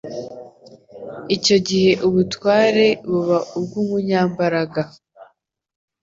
Icyo gihe ubutware buba ubw'umuuyambaraga.